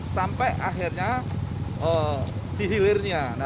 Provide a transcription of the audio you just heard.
sampai akhirnya dihilirnya